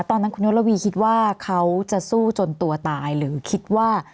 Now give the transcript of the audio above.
ตอนนั้นคุณยศระวีคิดว่าเขาจะสู้จนตัวตายหรือคิดว่า